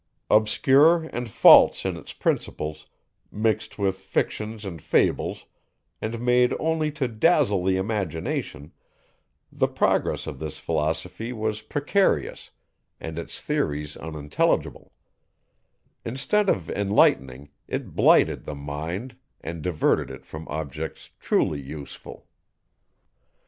Obscure and false in its principles, mixed with fictions and fables, and made only to dazzle the imagination, the progress of this philosophy was precarious, and its theories unintelligible; instead of enlightening, it blighted the mind, and diverted it from objects truly useful.